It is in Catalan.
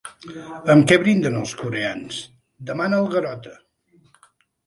Amb què brinden, els coreans? —demana el Garota.